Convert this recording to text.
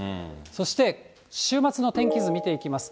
そして週末の天気図、見ていきます。